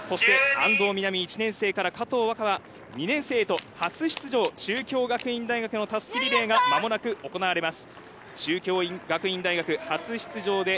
安藤から加藤、２年生へと初出場、中京学院大学このたすきリレーが間もなく行われます。